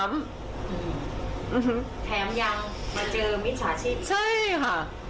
แถมยังมาเจอมิจฉาชิน